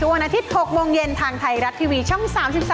วันอาทิตย์๖โมงเย็นทางไทยรัฐทีวีช่อง๓๓